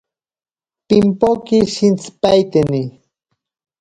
Pimpoke shintsipaiteni.